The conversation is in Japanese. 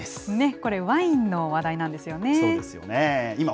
これ、ワインの話題なんですよね。